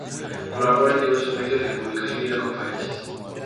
Colabora en diversos medios de comunicación y da conferencias.